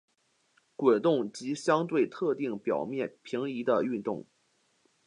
滚动及相对特定表面平移的的运动。